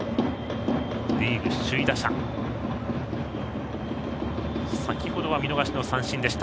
リーグ首位打者です。